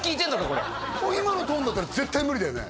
これもう今のトーンだったら絶対無理だよね？